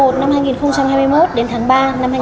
tòa án nhân dân đưa ra xét xử vào ngày hai mươi tháng tám